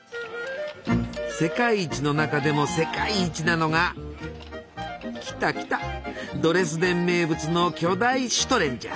世界一の中でも世界一なのがきたきたドレスデン名物の巨大シュトレンじゃ！